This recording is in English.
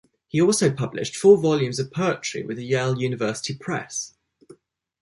He also published four volumes of poetry with the Yale University Press.